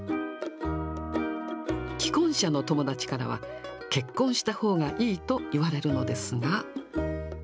既婚者の友達からは、結婚したほうがいいと言われるのですが。